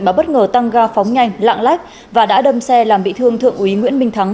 mà bất ngờ tăng ga phóng nhanh lạng lách và đã đâm xe làm bị thương thượng úy nguyễn minh thắng